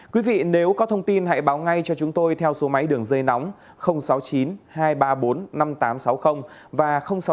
quý vị nếu có thông tin hãy báo ngay cho chúng tôi theo số máy đường dây nóng sáu mươi chín hai trăm ba mươi bốn năm nghìn tám trăm sáu mươi và sáu mươi chín hai trăm ba mươi một một nghìn sáu trăm